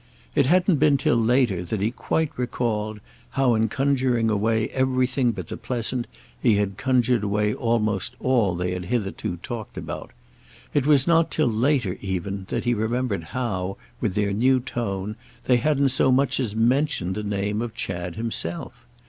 It hadn't been till later that he quite recalled how in conjuring away everything but the pleasant he had conjured away almost all they had hitherto talked about; it was not till later even that he remembered how, with their new tone, they hadn't so much as mentioned the name of Chad himself.